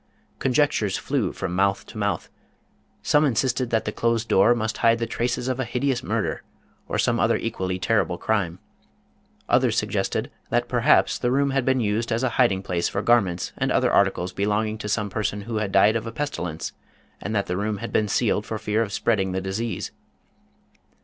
Conjectures flew from mouth to mouth. Some insisted that the closed door must hide the traces of a hideous murder, or some other equally terrible crime. Others suggested that perhaps the room had been used as a hiding place for garments and other articles belong ing to some person who had died of a pestilence, and that 272 Bernhard Sevcrin Ingemann the room had been sealed for fear of spreading the disease.